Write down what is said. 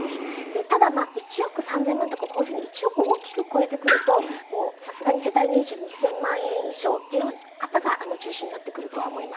ただ、１億３０００万円とかこういうふうに１億を大きく超えてくるとさすがに世帯年収２０００万円以上という方が中心になってくると思います。